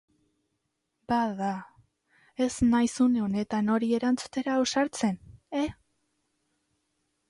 Bada, ez naiz une honetan hori erantzutera ausartzen, e!